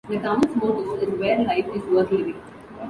The town's motto is Where Life Is Worth Living.